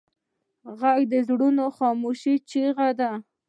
غږ د زړه خاموش چیغې دي